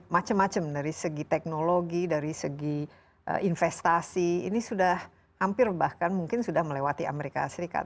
macam macam dari segi teknologi dari segi investasi ini sudah hampir bahkan mungkin sudah melewati amerika serikat